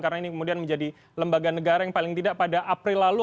karena ini kemudian menjadi lembaga negara yang paling tidak pada april lalu